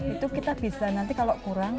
itu kita bisa nanti kalau kurang